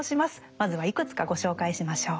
まずはいくつかご紹介しましょう。